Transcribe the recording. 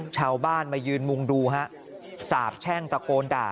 ชาวบ้านมายืนมุงดูฮะสาบแช่งตะโกนด่า